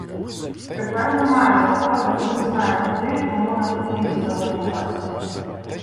Тепер не маю охоти, бо не знаю, куди і кому на потіху заведу вас.